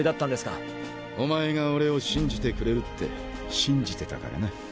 お前が俺を信じてくれるって信じてたからな。